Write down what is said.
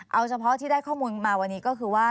เอาเฉพาะที่ได้ข้อมูลมาวันนี้ก็คือว่า